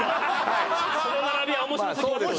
その並びは面白そうですよね